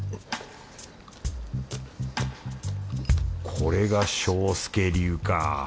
これが庄助流か。